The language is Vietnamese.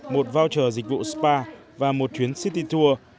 một voucher dịch vụ spa và một chuyến city tour